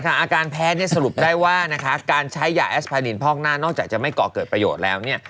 อาการแพ้เนี่ยสรุปได้ว่านะคะการใช้ยาแอสพานินพอกหน้านอกจากจะไม่ก่อเกิดประโยชน์แล้วเนี่ย